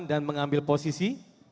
dan mengambil posisi